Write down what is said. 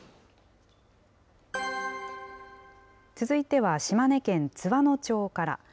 続いては島根県津和野町から。